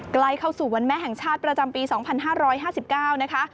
ใกล้เข้าสู่วันแม่แห่งชาติประจำปี๒๕๕๙นะคะ